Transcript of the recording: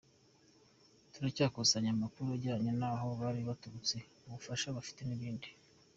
Turacyakusanya amakuru ajyanye n’aho bari baturutse, ubufasha bafite n’ibindi.